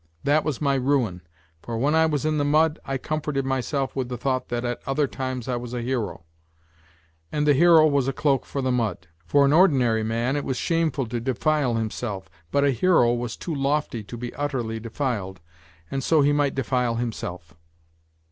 That was my ruin, for when I was in the mud I comforted myself with the thought that at other times I was a hero, and the hero was a cloak for the mud : for an ordinary man it was shameful to defile himself, but a hero was too lofty to be utterly defiled, and so he might defile himself.